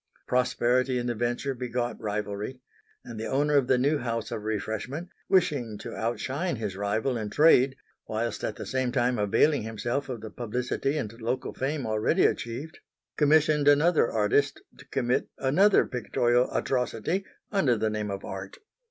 Prosperity in the venture begot rivalry; and the owner of the new house of refreshment, wishing to outshine his rival in trade whilst at the same time availing himself of the publicity and local fame already achieved, commissioned another artist to commit another pictorial atrocity under the name of art.